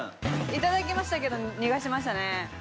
頂きましたけど逃がしましたね。